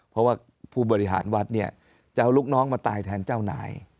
เพราะว่าผู้บริหารวัดเนี่ยจะเอาลูกน้องมาตายแทนเจ้านาย